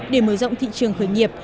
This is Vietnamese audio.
để mở rộng thị trường khởi nghiệp